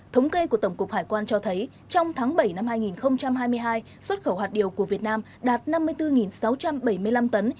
thống kê của tổng cục hải quan cho thấy trong tháng bảy năm hai nghìn hai mươi hai xuất khẩu hạt điều của việt nam đạt năm mươi bốn sáu trăm bảy mươi năm tấn